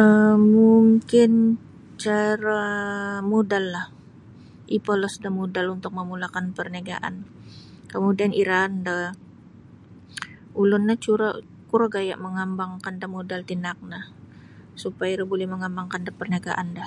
um mungkin cara mudahlah epolos da mudal untuk memulakan perniagaan kemudian iraan da ulun ni curo kuro gaya mangambangkan modal tinaak no supaya iro buli mangambangkan da perniagaan da